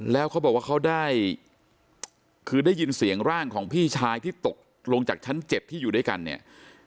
แล้วเขาบอกว่าเขาได้คือได้ยินเสียงร่างของพี่ชายที่ตกลงจากชั้น๗ที่อยู่ด้วยกันเนี่ย